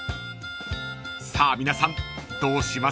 ［さあ皆さんどうしますか？］